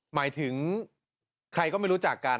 หมายถึงใครก็ไม่รู้จักกัน